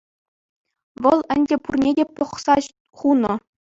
Вӑл ӗнтӗ пурне те пӑхса хунӑ.